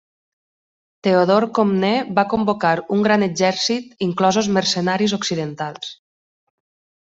Teodor Comnè va convocar un gran exèrcit inclosos mercenaris occidentals.